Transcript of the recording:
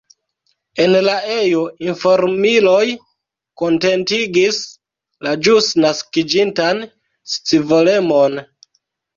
En la ejo informiloj kontentigis la ĵus naskiĝintan scivolemon.